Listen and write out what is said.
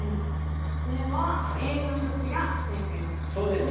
ではＡの処置が正解だったんですね。